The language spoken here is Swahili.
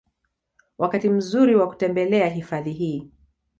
Wakati mzuri wa kutembelea hifadhi hii